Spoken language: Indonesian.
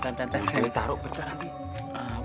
enggak saya yang kekenyangan